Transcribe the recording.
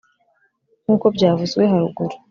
nkuko byavuzwe haruguru,